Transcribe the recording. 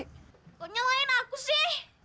kok nyalain aku sih